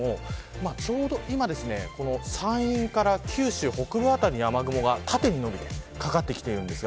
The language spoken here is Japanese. ちょうど今山陰から九州北部辺り縦にかかってきています。